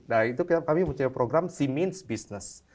nah itu kami mencari program c means business